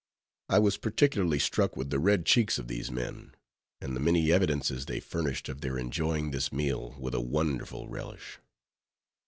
I was particularly struck with the red cheeks of these men: and the many evidences they furnished of their enjoying this meal with a wonderful relish.